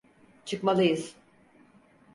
Çıkmalıyız.